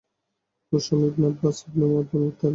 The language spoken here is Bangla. কুসাম ibn Abbas ibn Abdul Muttalib.